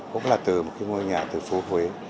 cũng là từ một ngôi nhà từ phố huế